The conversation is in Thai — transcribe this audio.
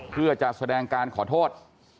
เพื่อจะแสดงการขอโทษ